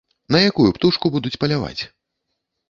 На якую птушку будуць паляваць?